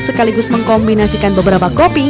sekaligus mengkombinasikan beberapa kopi